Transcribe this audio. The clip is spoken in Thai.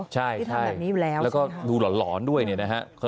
ที่ทำแบบนี้อยู่แล้วใช่ไหมครับใช่ใช่แล้วก็ดูหลอนด้วยนะครับ